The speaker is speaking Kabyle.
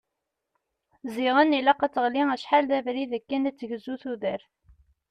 Ziɣen ilaq ad teɣli acḥal d abrid akken ad tegzu tudert.